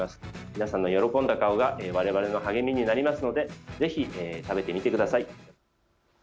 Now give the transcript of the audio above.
皆さんの喜んだ顔が我々の励みになりますのでぜひ食べてみてください。